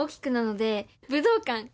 武道館。